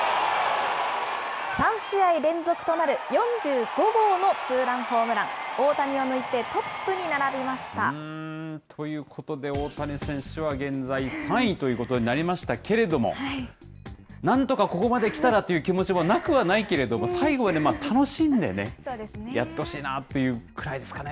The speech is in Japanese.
３試合連続となる４５号のツーランホームラン、大谷を抜いて、ということで、大谷選手は現在３位ということになりましたけれども、なんとかここまで来たらという気持ちもなくはないけれども、最後まで楽しんでね、やってほしいなっていうくらいですかね。